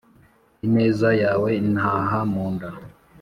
ineza yawe intaha mu nda